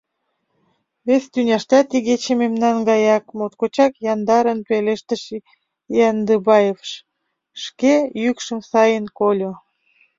— Вес тӱняштат игече мемнан гаяк, — моткочак яндарын пелештыш Яндыбаев, шке йӱкшым сайын кольо.